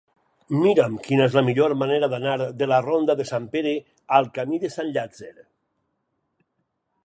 Mira'm quina és la millor manera d'anar de la ronda de Sant Pere al camí de Sant Llàtzer.